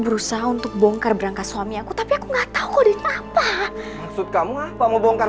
berusaha untuk bongkar berangkas suami aku tapi aku nggak tahu deh apa maksud kamu apa mau bongkar